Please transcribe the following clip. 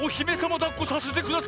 だっこさせてください。